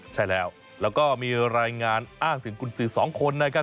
ใช่แล้วแล้วก็มีรายงานอ้างถึงกุญสือสองคนนะครับ